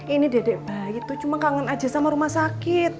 ini dedek baik tuh cuma kangen aja sama rumah sakit